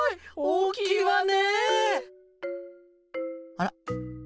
あら？